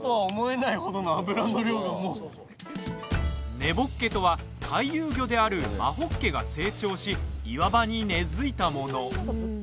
根ぼっけとは、回遊魚である真ほっけが成長し岩場に根付いたもの。